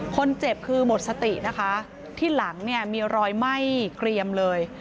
คนเจ็บคือหมดสตินะคะที่หลังเนี่ยมีรอยไหม้เกรียมเลย